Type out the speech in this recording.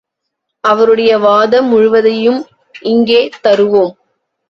அவருடைய வாதம் முழுவதையும் இங்கே தருவோம்.